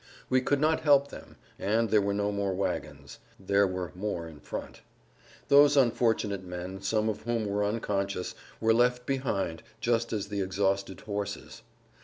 We could not help them, and there were no more wagons; these were more in front. Those unfortunate men, some of whom were unconscious, were left behind just as the exhausted horses.